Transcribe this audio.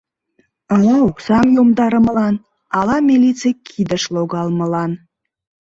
Ала оксам йомдарымылан, ала милиций кидыш логалмылан.